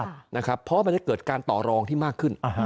เพราะว่ามันจะเกิดการต่อรองที่มากขึ้น